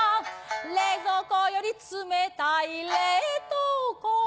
冷蔵庫より冷たい冷凍庫